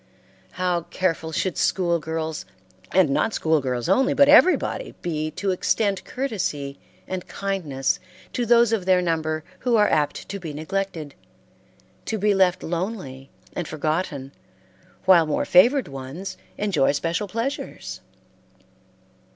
How careful should school girls, and not school girls only, but everybody be to extend courtesy and kindness to those of their number who are apt to be neglected, to be left lonely and forgotten while more favored ones enjoy special pleasures!